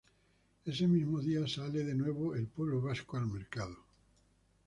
Ese mismo día sale de nuevo "El Pueblo Vasco" al mercado.